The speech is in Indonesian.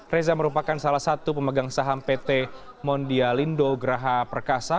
reza merupakan salah satu pemegang saham pt mondialindo geraha perkasa